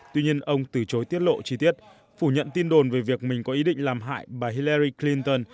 tuy nhiên ông từ chối tiết lộ chi tiết phủ nhận tin đồn về việc mình có ý định làm hại bà hilery clinton